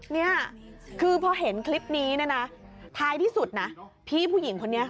เนี่ยคือพอเห็นคลิปนี้เนี่ยนะท้ายที่สุดนะพี่ผู้หญิงคนนี้